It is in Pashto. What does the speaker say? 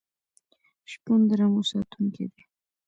شپون د رمو ساتونکی دی.